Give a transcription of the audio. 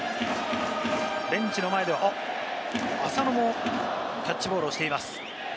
ベンチの前では浅野もキャッチボールをしています。